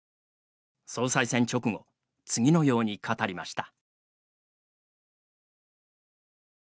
総裁選直後次のように語りました。